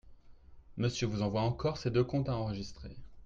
Monsieur vous envoie encore ces deux comptes à enregistrer.